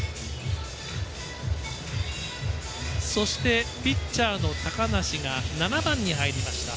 そして、ピッチャーの高梨が７番に入りました。